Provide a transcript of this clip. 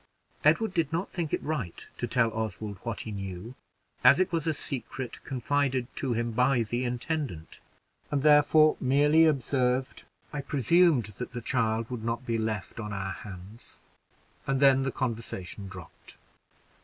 Edward did not think it right to tell Oswald what he knew, as it was a secret confided to him by the intendant, and therefore merely observed "I presumed that the child would not be permitted to remain on our hands;" and then the conversation dropped.